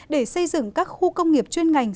để xây dựng các khu công nghiệp chuyên ngành